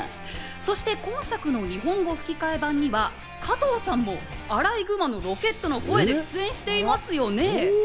そして今作の日本語吹き替え版には加藤さんもアライグマのロケットの声で出演していますよね。